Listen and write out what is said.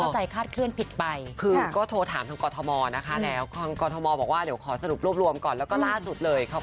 จะเกิดความเข้าใจผิดเพิ่มเข้าใจคาดเคลื่อนผิดไป